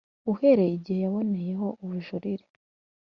uhereye igihe yaboneyeho ubujurire .